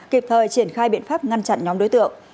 kịp thời triển khai biện pháp ngăn chặn nhóm đối tượng